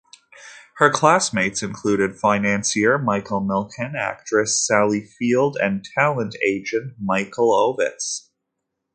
Her classmates included financier Michael Milken, actress Sally Field, and talent agent Michael Ovitz.